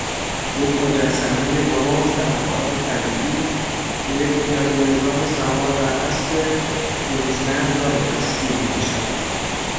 یک مجسمه برنز به ابعاد طبیعی، که یک پیادهنظام سوار بر اسب کوئینزلند را به تصویر میکشد.